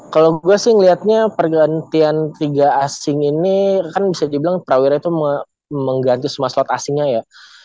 kalau gue sih ngeliatnya pergantian liga asing ini kan bisa dibilang prawira itu mengganti semua slot asingnya ya